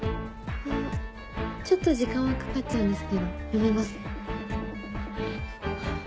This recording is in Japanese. ちょっと時間はかかっちゃうんですけど読めます。